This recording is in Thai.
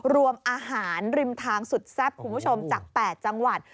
รวมอาหารริมทางสุดแซ่บคุณผู้ชมจาก๘จังหวัด